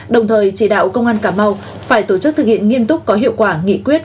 đồng thời chỉ đạo công an cà mau phải tổ chức thực hiện nghiêm túc có hiệu quả nghị quyết